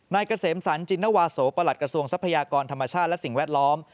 เกษมสรรจินนวาโสประหลัดกระทรวงทรัพยากรธรรมชาติและสิ่งแวดล้อม